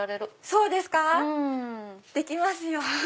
そうですか⁉できますよ。